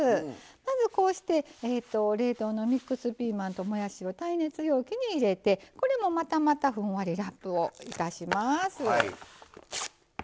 まずこうして冷凍のミックスピーマンともやしを耐熱容器に入れてこれもまたまたふんわりラップをいたします。